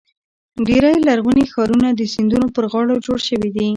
ډېری لرغوني ښارونه د سیندونو پر غاړو جوړ شوي دي.